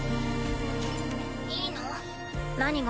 いいの？何が？